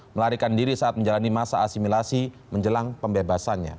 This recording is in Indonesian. melarikan diri saat menjalani masa asimilasi menjelang pembebasannya